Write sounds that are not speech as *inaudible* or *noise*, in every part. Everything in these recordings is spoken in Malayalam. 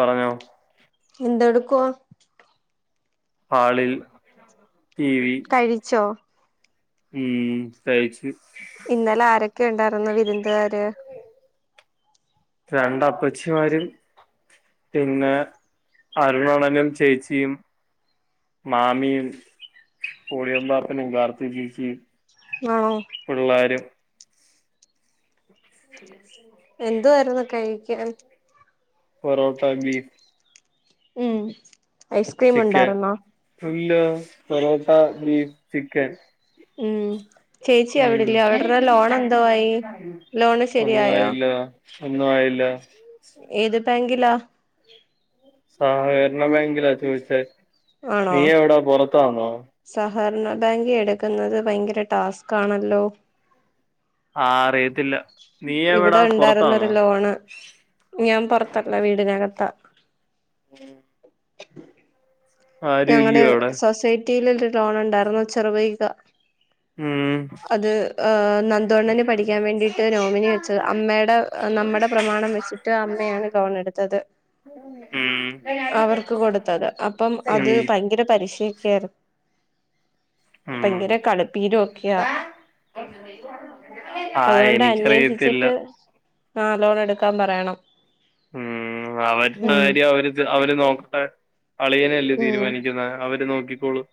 പറഞ്ഞോ എന്തെക്കുവോ ഹാളിൽ ടി വി കഴിച്ചോ ഉം കഴിച്ചു ഇന്നലെ ആരൊക്കെ ഇണ്ടായിരുന്നു വിരുന്നുക്കാര് രണ്ടപ്പച്ചിമാരും പിന്നെ അരുണാണനും ചേച്ചിയും മാമിയും പൊളിയാൻപാപ്പനും കാർത്തി ചേച്ചിയും ആഹ് പിള്ളോരും *inaudible* എന്തിനായിരുന്നു കഴിക്കാൻ പൊറോട്ട ബീഫ് ഉം ഐസക്രീം ഉണ്ടായിരുന്നോ ഇല്ലാ പൊറോട്ട, ബീഫ്, ചിക്കൻ ഉം ചേച്ചി ഉം അവിടില്ലെ അവിഡ്രെടെ ലോൺ എന്തോ ആയി ലോണ് ഒന്നും ശരിയയോ ആയില്ല ഒന്നും ആയില്ല ഏത് പാങ്കിലാ സാഹരണ ബാങ്കിലാ ചോയിച്ചെ ആണോ നീ എവിടാ പൊറത്ത് ത്താണോ? സഹകരണ ബാങ്കി എടുക്കുന്നത് ഭയങ്കര ടാസ്കാണല്ലോ. ആഹ് അറിയത്തില്ല നീ ഇവിടെ എവിടാ, ഉണ്ടായിരുന്നൊരു പൊറത്താണോ? ലോണ് ഞാൻ പൊറത്തല്ല വീടിനകത്താ. *inaudible* ആരും ഞങ്ങടെ ഇല്ലയോ അവിടെ സൊസൈ റ്റീലൊരു ലോണുണ്ടാർന്നു ചെറുപൊയ്ക. ഉം അത് ആഹ് ന ന്ദുഅണ്ണന് പഠിക്കാൻ വേണ്ടീട്ട് നോമിനി വെച്ചത് അമ്മേടെ നമ്മടെ പ്രമാണം വെച്ചിട്ട് അമ്മയാണ് ലോണെടുത് ത്തത്, ഉം അവർക്ക് കൊടുത്തത് അപ്പം അത് പ ഭയങ്കര പലിശ്ശെ ഒക്കായിരുന്നു. ഉം ഭയങ്കര കളിപ്പീര് ഒക്കെയാ. ആഹ് അതോണ്ട് എനിക്കറിയത്തില്ല അന്വേഷിച്ചിട്ട് ആ ലോൺ എടുക്കാൻ പറയണം. ഉം, അവര്ടെ ഉം കാര്യം അവര് ത് അവര് നോക്കട്ടെ. അളിയനല്ലേ ഉം തീരുമാനിക്കുന്നെ. അവര് നോക്കിക്കോളും.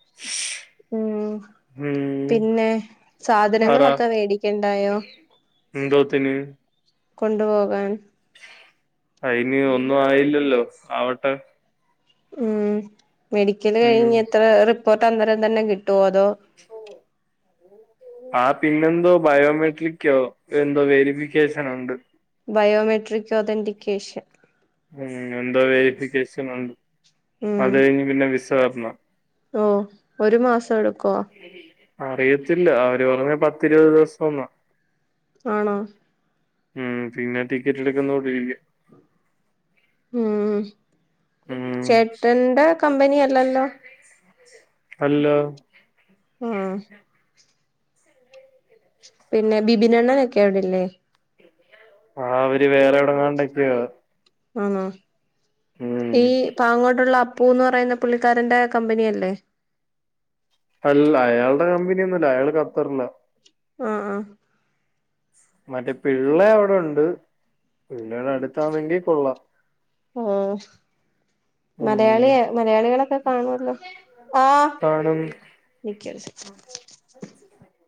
ഉം, ഉം പിന്നെ പറ സാധനങ്ങളൊക്കെ വേടിക്കണ്ടായോ. എന്തോത്തിന്? കൊണ്ടുപോകാൻ. അയിന് ഒന്നും ആയില്ലല്ലോ ആവട്ടെ. ഉം മെഡിക്കല് ഉം കഴിഞ് എത്ര റിപ്പോർട്ട് അന്നേരം തന്നെ കിട്ടുവോ അതോ. ആഹ് പിന്നെന്തോ ബയോമെട്രിക്കോ എന്തോ വെരിഫിക്കേഷനോ ഉണ്ട്. Biometric authentication. ഉം, എന്തോ വെരിഫിക്കേഷനൊണ്ട്. അത് കഴിഞ്ഞ് പിന്നെ വിസ വരണം. ഓഹ്, ഒരു മാസം എടുക്കോ? അറിയത്തില്ല, അവര് പറഞ്ഞെ പത്തിരുപത് ദിവസം ന്നാ. ആണോ. ഉം, പിന്നെ ടിക്കറ്റ് എടുക്കുന്നൂട്ടിരിക്കും. ഉം, ഉം ചേട്ടന്റെ കമ്പനി അല്ലല്ലോ? അല്ലാ. ആഹ്. പിന്നെ ബിബിനണ്ണനൊക്കെ അവിടില്ലേ. ആഹ് അവര് വേറെ എവിടെങ്ങാണ്ടൊക്കെയാ. ആന്നോ, ഉം ഈ പ്പാങ്ങോട്ടുള്ള. പൂന്ന് പറയുന്ന പുള്ളിക്കാരന്റെ കമ്പനിയല്ലേ. അല്ല അയാൾടെ കമ്പനിയൊന്നു അല്ലാ അയാള് കത്തറിലാ. ആഹ് അഹ് മറ്റേ പിള്ളേ അവിടെ ഉണ്ട്. പിള്ളേടെ അടുത്താണെങ്കി കൊള്ളാം. ആഹ്. ഉം മലയാളിയ, മലയാളികളൊക്കെ കാണുവല്ലോ ആഹ്. കാണും. *unintelligible*